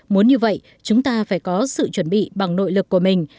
muốn như vậy chúng ta phải có sự chuẩn bị bằng nội lực của mình